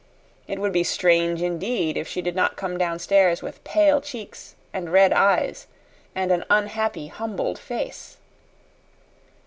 It would be strange indeed if she did not come downstairs with pale cheeks and red eyes and an unhappy, humbled face.